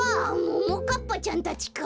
ももかっぱちゃんたちか。